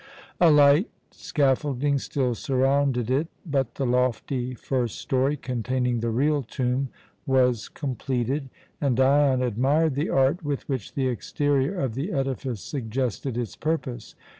Alight scaffolding still surrounded it, but the lofty first story, containing the real tomb, was completed, and Dion admired the art with which the exterior of the edifice suggested its purpose.